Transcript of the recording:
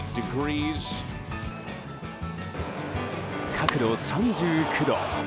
角度３９度。